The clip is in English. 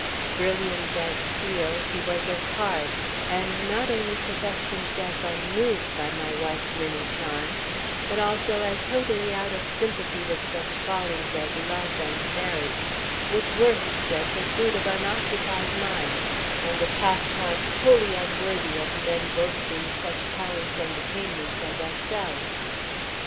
"Brilliant as steel, he was as hard, and not only professed himself unmoved by my wife's many charms, but also as totally out of sympathy with such follies as love and marriage, which were, he said, the fruit of unoccupied minds and a pastime wholly unworthy of men boasting of such talents and attainments as ourselves.